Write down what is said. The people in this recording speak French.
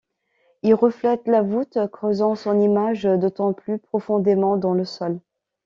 Il reflète la voûte, creusant son image d’autant plus profondément dans le sol.